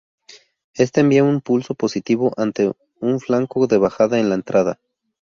Este envía un pulso positivo ante un flanco de bajada en la entrada.